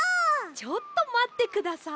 ちょっとまってください。